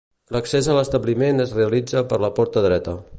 L'accés a l'establiment es realitza per la porta dreta.